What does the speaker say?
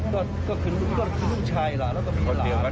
ก็คือลูกชายล่ะแล้วก็มีหลาน